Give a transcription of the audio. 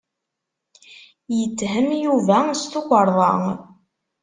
Yetthem Yuba s tukerḍa.